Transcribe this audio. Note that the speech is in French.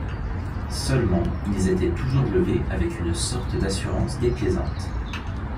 Seulement ils étaient toujours levés avec une sorte d’assurance déplaisante.